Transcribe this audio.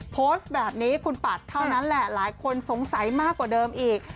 โพสต์แบบนี้คุณปัดเท่านั้นแหละหลายคนสงสัยมากกว่าเดิมอีก